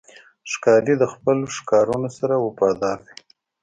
ښکاري د خپلو ښکارونو سره وفادار دی.